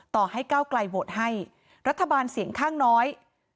ต่อให้ก้าวไกลโหวตให้รัฐบาลเสียงข้างน้อย